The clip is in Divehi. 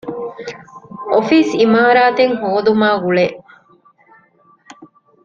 އޮފީސް އިމާރާތެއް ހޯދުމާ ގުޅޭ